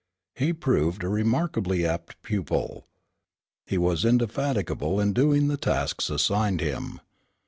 He proved a remarkably apt pupil. He was indefatigable in doing the tasks assigned him.